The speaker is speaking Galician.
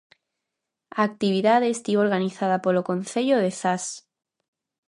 A actividade estivo organizada polo concello de Zas.